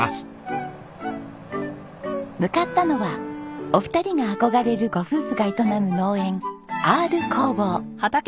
向かったのはお二人が憧れるご夫婦が営む農園Ｒ工房。